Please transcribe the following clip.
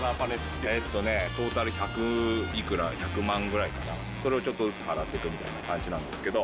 えっとね、トータル百いくら、１００万ぐらいかな、それをちょっとずつ払っていく感じなんですけど。